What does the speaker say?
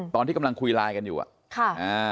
ตอนที่กำลังคุยไลน์กันอยู่อะ